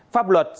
pháp luật sẽ xử lý